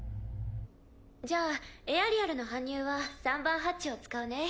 じゃあエアリアルの搬入は３番ハッチを使うね。